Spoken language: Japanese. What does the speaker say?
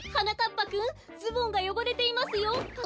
ぱくんズボンがよごれていますよ。